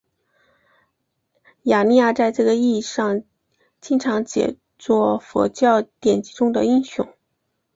雅利亚在这个意义上经常解作佛教典籍中的英雄。